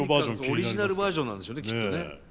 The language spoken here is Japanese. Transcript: オリジナルバージョンなんでしょうねきっとね。